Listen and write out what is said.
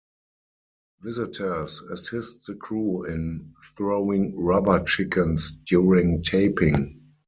Visitors assist the crew in throwing rubber chickens during taping.